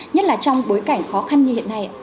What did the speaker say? nhất là trong bối cảnh khó khăn như hiện nay